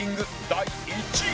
第１位は